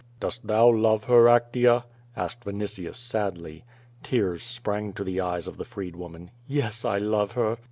"Dost thou love her, Actea?" asked Vinitius sadly. Tears sprang to the eyes of the freed woman. "Yes, I love her."